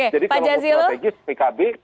jadi kalau mau strategis pkb